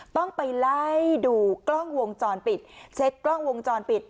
ต้องไปไล่ดูกล้องวงจรปิดเช็คกล้องวงจรปิด